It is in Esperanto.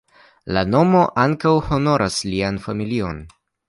La nomo ankaŭ honoras lian familion.